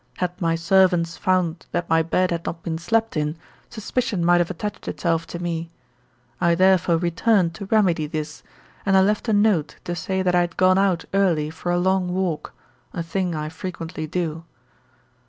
Had my servants found that my bed had not been slept in, suspicion might have attached itself to me. I therefore returned to remedy this, and I left a note to say that I had gone out early for a long walk, a thing I frequently do.